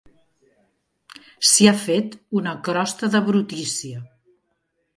S'hi ha fet una crosta de brutícia.